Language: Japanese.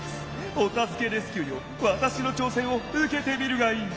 お助けレスキューよわたしのちょうせんをうけてみるがいい」。